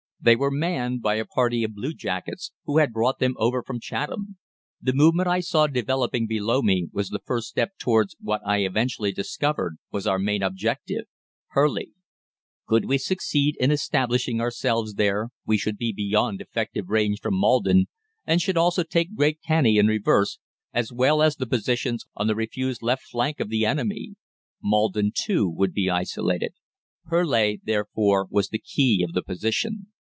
"They were manned by a party of bluejackets, who had brought them over from Chatham. The movement I saw developing below me was the first step towards what I eventually discovered was our main objective Purleigh. "Could we succeed in establishing ourselves there, we should be beyond effective range from Maldon, and should also take Great Canney in reverse, as well as the positions on the refused left flank of the enemy. Maldon, too, would be isolated. Purleigh, therefore, was the key of the position.